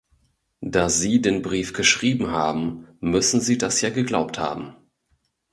Da sie den Brief geschrieben haben, müssen Sie das ja geglaubt haben.